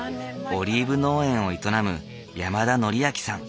オリーブ農園を営む山田典章さん。